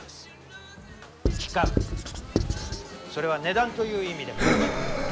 規格それは値段という意味でもいいでしょう。